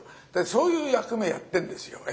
そういう役目やってんですよ。